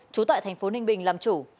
chú tại thành phố ninh bình làm chủ